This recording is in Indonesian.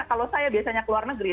kalau saya biasanya ke luar negeri